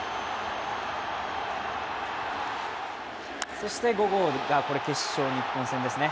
そして５号が決勝、日本戦ですね。